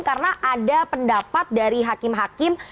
karena ada pendapat dari hakim hakim